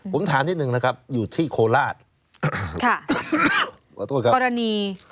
ผมถามนิดหนึ่งนะครับอยู่ที่โคราชค่ะขอโทษครับกรณี